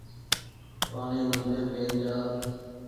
پآڻيٚ مندريم لين چآل